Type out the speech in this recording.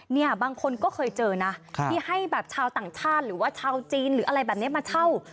เนี่ยบางคนก็เคยเจอนะที่ให้แบบชาวต่างชาติหรือว่าชาวจีนหรืออะไรแบบนี้มาเช่า